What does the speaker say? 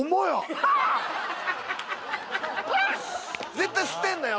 絶対捨てんなよ